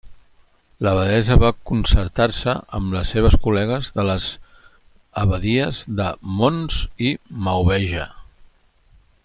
L'abadessa va concertar-se amb les seves col·legues de les abadies de Mons i Maubeuge.